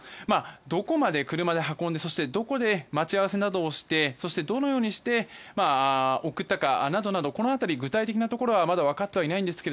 どこまで車で運んでどこで待ち合わせなどをしてそして、どのようにして送ったかなど具体的なところはまだ分かってはいないんですが